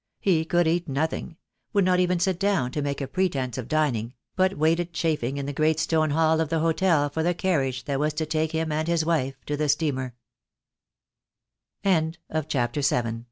He could eat nothing; would not even sit down to make a pretence of dining: but waited chafing in the great stone hall of the hotel for the carriage that was to take him and his wife to the steame